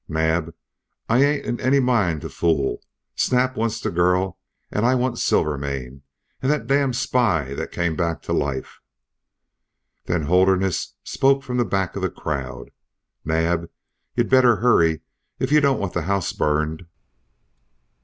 "'Naab, I ain't in any mind to fool. Snap wants the girl, an' I want Silvermane, an' that damned spy that come back to life.' "Then Holderness spoke from the back of the crowd: 'Naab, you'd better hurry, if you don't want the house burned!'